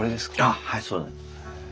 あっはいそうなんです。